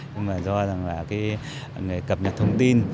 nhưng mà do rằng là cái người cập nhật thông tin